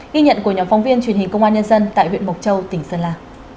ghi nhận của nhóm phóng viên truyền hình công an nhân dân tại huyện mộc châu tỉnh sơn la